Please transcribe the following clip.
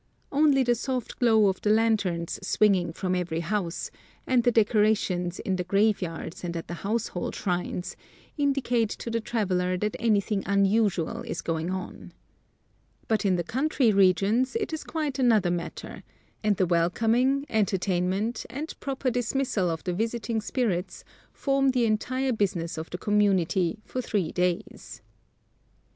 Only the soft glow of the lanterns swinging from every house, and the decorations in the graveyards and at the household shrines, indicate to the traveler that anything unusual is going on. But in the country regions it is quite another matter, and the welcoming, entertainment, and proper dismissal of the visiting spirits form the entire business of the community for three days.